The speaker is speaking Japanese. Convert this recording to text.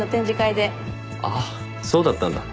あっそうだったんだ。